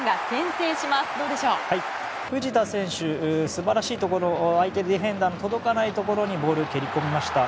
素晴らしいところは相手ディフェンダーの届かないところにボールを蹴り込みました。